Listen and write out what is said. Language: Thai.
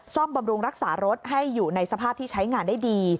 บำรุงรักษารถให้อยู่ในสภาพที่ใช้งานได้ดี